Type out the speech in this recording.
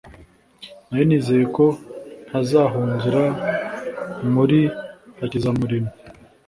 Nari nizeye ko ntazahungira muri Hakizamuremyi